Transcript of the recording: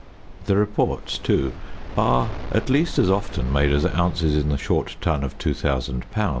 The reports, too, are at least as often made as ounces in the short ton of 2000 lbs.